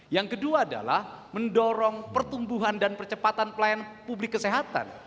yang kedua adalah mendorong pertumbuhan dan percepatan pelayanan publik kesehatan